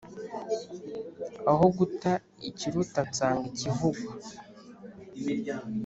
Aho guta ikiruta nsanga ikivugwa